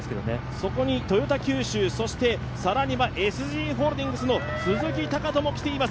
そこにトヨタ九州、さらにはＳＧホールディングスグループの鈴木塁人も来ています。